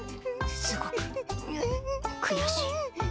すごく悔しい。